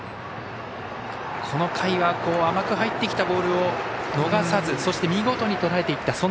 この回は甘く入ってきたボールを逃さず、見事にとらえていった。